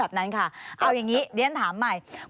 เอาอย่างนี้โดยอย่างนี้เสียงหนังจะถามใหม่